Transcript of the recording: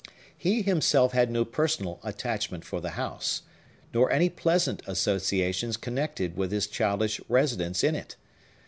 He himself had no personal attachment for the house, nor any pleasant associations connected with his childish residence in it.